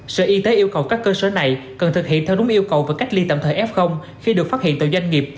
sở y tế yêu cầu các cơ sở này cần thực hiện theo đúng yêu cầu và cách ly tạm thời f khi được phát hiện từ doanh nghiệp